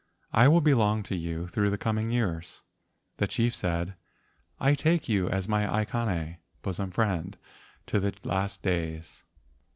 I will belong to you through the coming years." The chief said, "I take you as my aikane [bosom friend] to the last days."